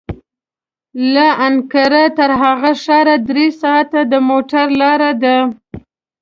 له انقره تر هغه ښاره درې ساعته د موټر لاره ده.